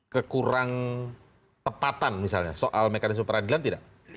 kekurang tepatan misalnya soal mekanisme peradilan tidak